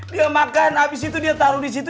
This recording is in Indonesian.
dia makan habis itu dia taruh di situ